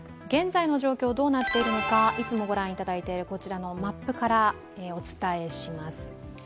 現在の状況どうなっているのかいつもご覧いただいているこちらのマップからお伝えします。